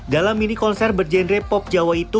dalam mini konser berjenre pop jawa itu